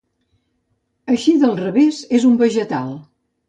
Així del revés és un vegetal.